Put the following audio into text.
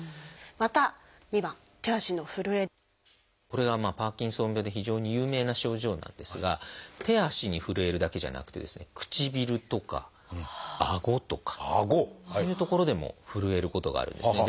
これがパーキンソン病で非常に有名な症状なんですが手足にふるえるだけじゃなくてですね唇とかあごとかそういう所でもふるえることがあるんですね。